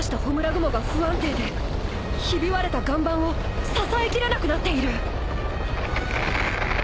雲が不安定でひび割れた岩盤を支えきれなくなっている。